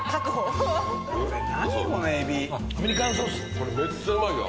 これめっちゃうまいわ。